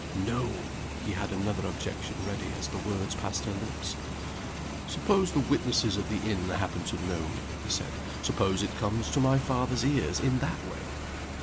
No! He had another objection ready as the words passed her lips. "Suppose the witnesses at the inn happen to know me?" he said. "Suppose it comes to my father's ears in that way?"